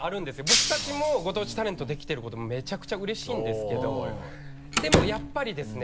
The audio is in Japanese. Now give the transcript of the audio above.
僕たちもご当地タレントできてることもめちゃくちゃうれしいんですけどでもやっぱりですね